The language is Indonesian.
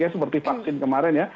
seperti vaksin kemarin ya